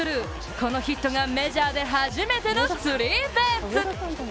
このヒットがメジャーで初めてのスリーベース。